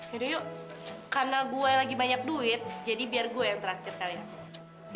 itu yuk karena gue lagi banyak duit jadi biar gue yang terakhir kali ya